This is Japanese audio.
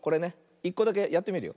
１こだけやってみるよ。